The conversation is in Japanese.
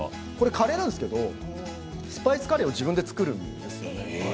カレーなんですけどスパイスカレーを自分で作るんですよ。